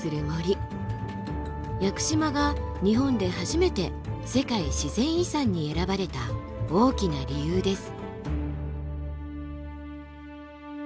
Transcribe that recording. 屋久島が日本で初めて世界自然遺産に選ばれた大きな理由です。